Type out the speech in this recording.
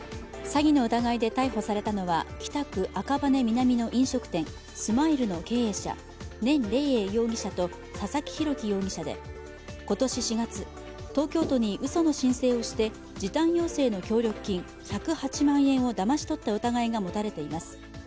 詐欺の疑いで逮捕されたのは、北区赤羽南の飲食店ＳＭＩＬＥの経営者、念麗英容疑者と佐々木浩紀容疑者で、今年４月、東京都にうその申請をして、時短要請の協力金１０８万円をだまし取った疑いが持たれています。